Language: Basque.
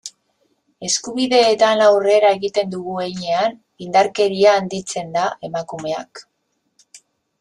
Eskubideetan aurrera egiten dugun heinean, indarkeria handitzen da, emakumeak.